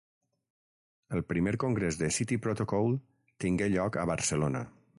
El primer congrés de City Protocol tingué lloc a Barcelona.